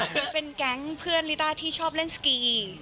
แก๊งก็เป็นเพื่อนริต้าที่ชอบเล่นสกี